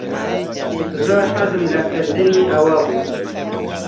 زۆر حەزم لە کردنی ئەوە بوو.